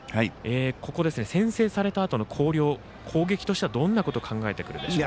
先制されたあとの広陵攻撃としてはどんなことを考えてくるでしょう。